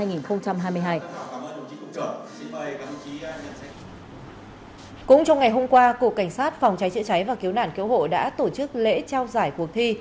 cũng trong ngày hôm qua cục cảnh sát phòng cháy chữa cháy và cứu nạn cứu hộ đã tổ chức lễ trao giải cuộc thi